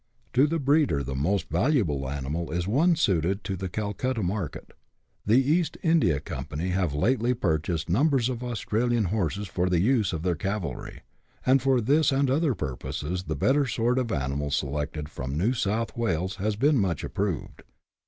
To the breeder the most valuable animal is one suited to the Calcutta market. The East India Company have lately pur chased numbers of Australian horses for the use of their cavalry ; and for this and other purposes the better sort of animal selected from New South Wales has been much approved.